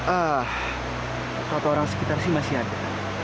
ah foto orang sekitar sih masih ada